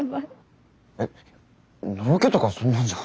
えっのろけとかそんなんじゃ。